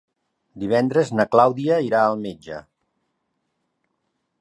Divendres na Clàudia irà al metge.